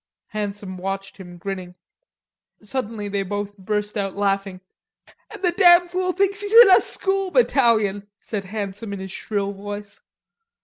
Handsome watched him, grinning. Suddenly they both burst out laughing. "An' the damn fool thinks he's in a school battalion," said Handsome in his shrill voice.